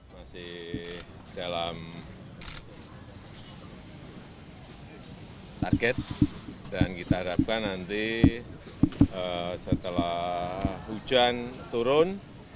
masih dalam target dan kita harapkan nanti setelah hujan turun